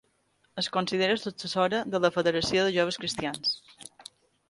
Es considera successora de la Federació de Joves Cristians.